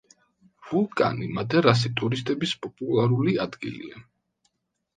ვულკანი მადერასი ტურისტების პოპულარული ადგილია.